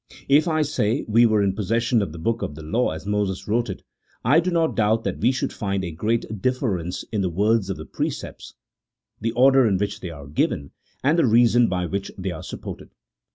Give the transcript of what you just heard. If, I say, we were in possession of the book of the law as Moses wrote it, I do not doubt that we should find a great difference in the words of the precepts, the order in which they are given, and the reasons by which they are supported.